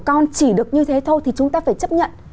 con chỉ được như thế thôi thì chúng ta phải chấp nhận